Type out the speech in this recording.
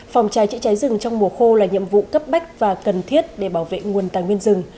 phòng cháy chữa cháy rừng trong mùa khô là nhiệm vụ cấp bách và cần thiết để bảo vệ nguồn tài nguyên rừng